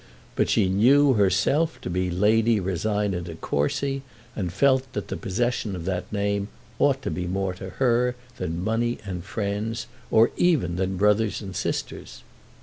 But she knew herself to be Lady Rosina De Courcy, and felt that the possession of that name ought to be more to her than money and friends, or even than brothers and sisters.